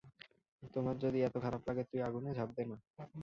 তোর যদি এতো খারাপ লাগে, তুই আগুনে ঝাঁপ দে না?